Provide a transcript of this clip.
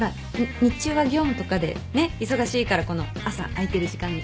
日中は業務とかでね忙しいからこの朝空いてる時間に。